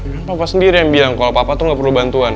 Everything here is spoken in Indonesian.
kenapa papa sendiri yang bilang kalau papa tuh gak perlu bantuan